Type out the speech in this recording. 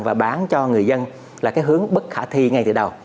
và bán cho người dân là cái hướng bất khả thi ngay từ đầu